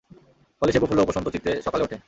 ফলে সে প্রফুল্ল ও প্রশান্ত চিত্তে সকালে ওঠে।